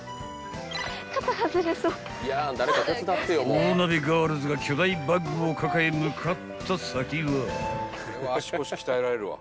［大鍋ガールズが巨大バッグを抱え向かった先は？］